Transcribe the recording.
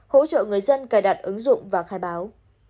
hỗ trợ người dân cài đặt ứng dụng và khai báo